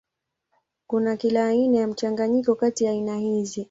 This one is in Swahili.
Kuna kila aina ya mchanganyiko kati ya aina hizi.